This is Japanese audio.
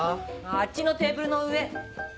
あっちのテーブルの上。